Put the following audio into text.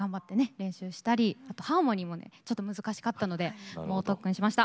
練習したりあとハーモニーもねちょっと難しかったので猛特訓しました。